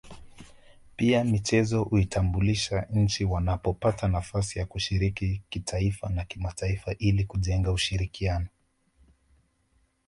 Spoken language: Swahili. Pia michezo huitambulisha nchi wanapopata nafasi ya kushiriki kitaifa na kimataifa ili kujenga ushirikiano